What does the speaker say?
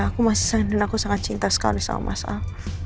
aku masih sangat cinta sama mas sal